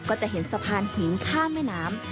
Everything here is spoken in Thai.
ก็จะเห็นสะพานหินข้ามแม่น้ำ